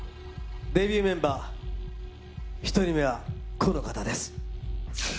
デビューメンバー１人目は、この方です。